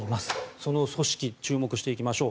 その組織注目していきましょう。